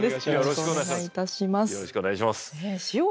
よろしくお願いします。